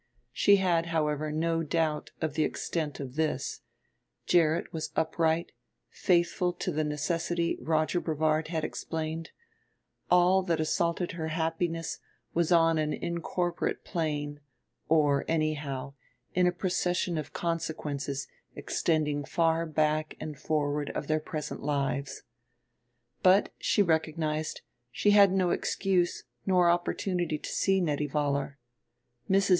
She had however no doubt of the extent of this: Gerrit was upright, faithful to the necessity Roger Brevard had explained; all that assaulted her happiness was on an incorporate plane, or, anyhow, in a procession of consequences extending far back and forward of their present lives. But, she recognized, she had no excuse nor opportunity to see Nettie Vollar. Mrs.